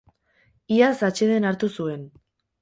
Iaz atseden hartu zuen.